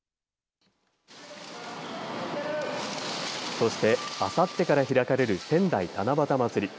そして、あさってから開かれる仙台七夕まつり。